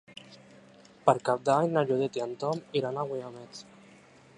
Per Cap d'Any na Judit i en Tom iran als Guiamets.